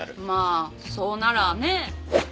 まあそうならぁねぇ。